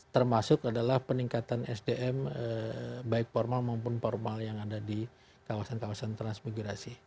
termasuk adalah peningkatan sdm baik formal maupun formal yang ada di kawasan kawasan transmigrasi